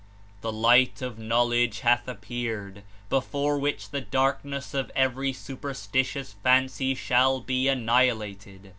"The Light of Knowledge hath appeared, before which the darkness of every superstitious fancy shall be annihilated.